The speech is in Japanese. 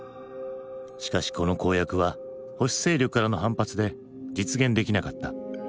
しかしこの公約は保守勢力からの反発で実現できなかった。